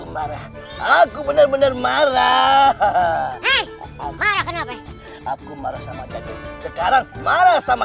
marah aku bener bener marah marah aku marah sama tadi sekarang marah sama